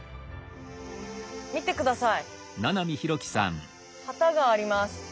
見て下さい旗があります。